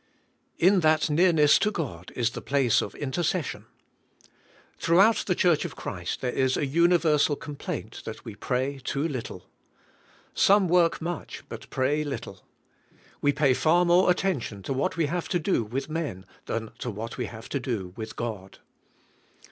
In that nearness to God is the place of intercession. Throughout the church of Christ there is a univer sal complaint that we pray too little. Some work much but pray little. We pay far more attention to what we have to do with men than to what we have to do with God.